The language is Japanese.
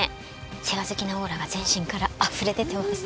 世話好きなオーラが全身からあふれ出ています。